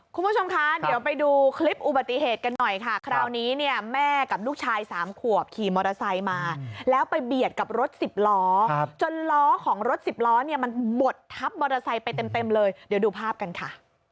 คุณผู้ชมคะเดี๋ยวไปดูคลิปอุบัติเหตุกันหน่อยค่ะคราวนี้เนี่ยแม่กับลูกชายสามขวบขี่มอเตอร์ไซค์มาแล้วไปเบียดกับรถสิบล้อจนล้อของรถสิบล้อเนี่ยมันบดทับมอเตอร์ไซค์ไปเต็มเลยเดี๋ยวดูภาพกันค่ะ